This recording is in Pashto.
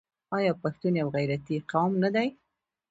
آیا پښتون یو غیرتي قوم نه دی؟